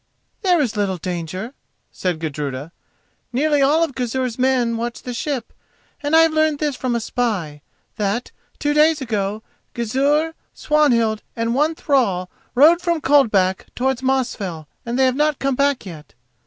"There is little danger," said Gudruda. "Nearly all of Gizur's men watch the ship; and I have learned this from a spy, that, two days ago, Gizur, Swanhild, and one thrall rode from Coldback towards Mosfell, and they have not come back yet.